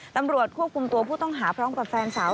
ตำรวจควบคุมตัวผู้ต้องหาพร้อมกับแฟนสาว